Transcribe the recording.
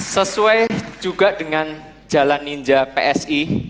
sesuai juga dengan jalan ninja psi